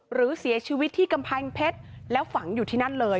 หรือเสียชีวิตที่กำแพงเพชรแล้วฝังอยู่ที่นั่นเลย